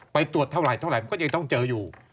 ไปตรวจเท่าไหร่ก็ยังต้องเจออยู่